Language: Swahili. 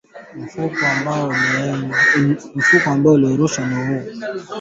Uganda na Jamhuri ya Kidemokrasia ya Kongo Jumatano ziliongeza operesheni ya pamoja ya kijeshi